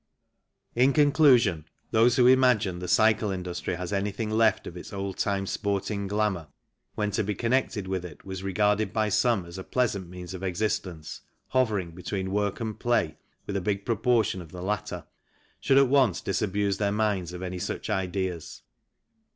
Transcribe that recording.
In conclusion, those who imagine the cycle industry has anything left of its old time sporting glamour, when to be connected with it was regarded by some as a pleasant means of existence hovering between work and play, with a big proportion of the latter, should at once disabuse their minds of any such ideas.